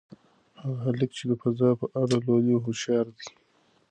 هغه هلک چې د فضا په اړه لولي هوښیار دی.